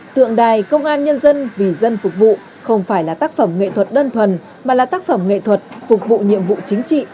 tượng đài công an nhân dân vì dân phục vụ không phải là tác phẩm nghệ thuật đơn thuần mà là tác phẩm nghệ thuật phục vụ nhiệm vụ chính trị